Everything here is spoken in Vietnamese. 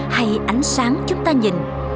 hay ánh sáng chúng ta nhìn